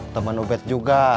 temen obat juga